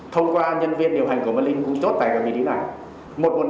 thông qua nhân viên điều hành của mà linh cũng chốt tại vị trí này